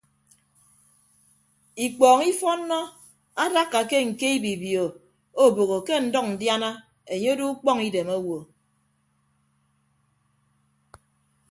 Ikpọọñ ifọnnọ adakka ke ñke ibibio obogho ke ndʌñ ndiana enye odo ukpọñ idem owo.